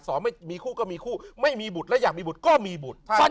ไม่มีคู่ก็มีคู่ไม่มีบุตรและอยากมีบุตรก็มีบุตร